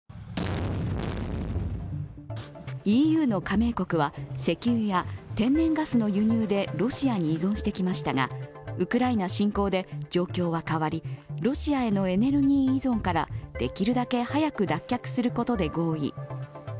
ＥＵの加盟国は石油や天然ガスの輸入でロシアに依存してきましたがウクライナ侵攻で状況は変わりロシアへのエネルギー依存からできるだけ早く脱却することで合意。